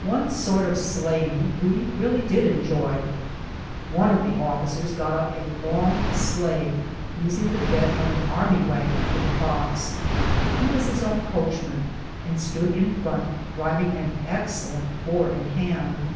One sort of sleighing we really did enjoy. One of the officers got up a long sleigh, using the bed of an army wagon for the box. He was his own coachman, and stood in front driving an excellent four in hand.